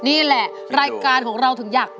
นี่แหละรายการของเราถึงอยาก